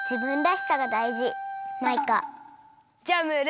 じゃあムール！